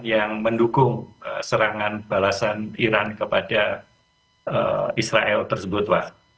yang mendukung serangan balasan iran kepada israel tersebut